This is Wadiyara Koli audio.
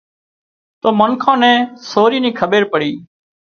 تو منکان نين سورِي نِي کٻير پڙِي